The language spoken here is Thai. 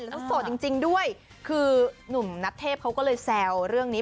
แล้วก็โสดจริงด้วยคือหนุ่มนัทเทพเขาก็เลยแซวเรื่องนี้